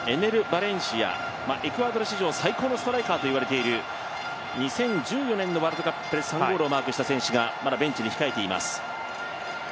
・バレンシアエクアドル史上最大のストライカーだと呼ばれている２０１４年のワールドカップで３ゴールをマークした選手がまだベンチに控えています。